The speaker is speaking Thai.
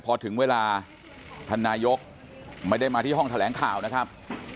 พอถึงเวลาท่านนายกไม่ได้มาที่ห้องแถลงข่าวนะครับ